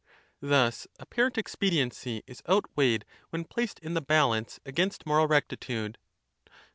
Thus apparent expediency is outweighed when placed in the balance against moral rectitude.